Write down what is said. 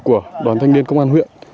của đoàn thanh niên công an huyện